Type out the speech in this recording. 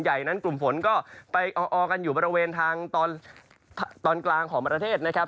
ไปแล้วก็ไปสยอมความกดอากาศต่ำนะครับ